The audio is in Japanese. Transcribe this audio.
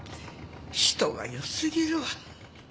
人が良すぎるわ。